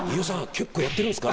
結構やってるんですか？」